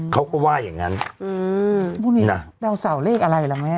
เขาก็ว่าอย่างนั้นพวกมีอะไรดาวสาวเลขอะไรกันมั้ย